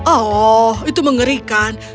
oh itu mengerikan